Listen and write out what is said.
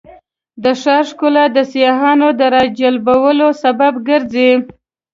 د ښار ښکلا د سیاحانو د راجلبولو سبب ګرځي.